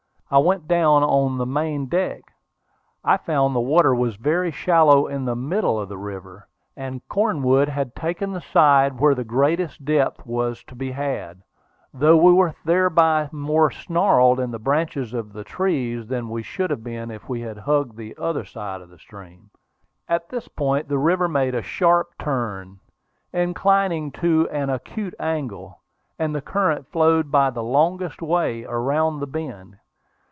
I went down on the main deck. I found the water was very shallow in the middle of the river, and Cornwood had taken the side where the greatest depth was to be had, though we were thereby more snarled up in the branches of the trees than we should have been if we had hugged the other side of the stream. At this point the river made a sharp turn, inclining to an acute angle; and the current flowed by the longest way around the bend.